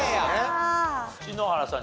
篠原さん